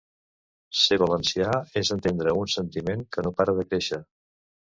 Ser valencià és entendre un sentiment que no para de créixer.